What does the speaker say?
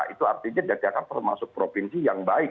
itu artinya jatjaka termasuk provinsi yang baik